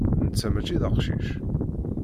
Netta mačči d aqcic.